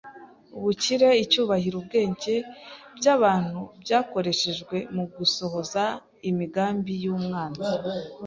Ubukire, icyubahiro, ubwenge by’abantu byakoreshejwe mu gusohoza imigambi y’umwanzi,